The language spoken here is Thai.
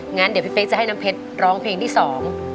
งั้นเดี๋ยวพี่เป๊กจะให้น้ำเพชรร้องเพลงที่สอง